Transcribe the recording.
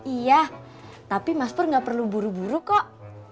iya tapi mas pur nggak perlu buru buru kok